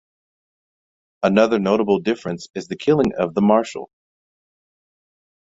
Another notable difference is the killing of the Marshall.